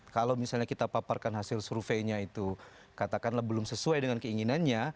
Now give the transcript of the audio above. kalau misalnya kita paparkan hasil surveinya itu katakanlah belum sesuai dengan keinginannya